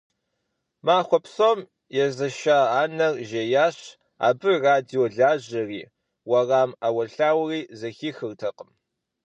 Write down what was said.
Махуэ псом езэша анэр жеящ, абы радио лажьэри, уэрам Ӏэуэлъауэри зэхихыртэкъым.